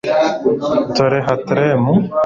Tore Hattrem